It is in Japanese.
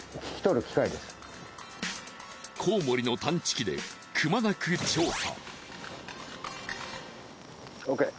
コウモリの探知機でくまなく調査。